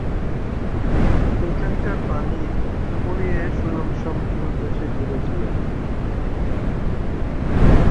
এখানকার পনিরের সুনাম সমগ্র দেশে বিরাজমান।